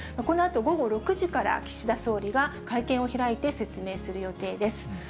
このあと午後６時から、岸田総理が会見を開いて、説明する予定です。